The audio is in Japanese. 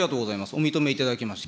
お認めいただきました。